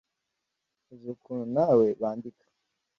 uzi ukuntu nawe bandika.